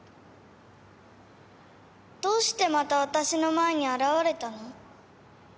どうしてまた私の前に現れたの？